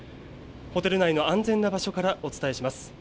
ホテル内の安全な場所からお伝えします。